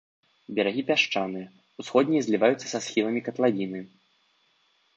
Берагі пясчаныя, усходнія зліваюцца са схіламі катлавіны.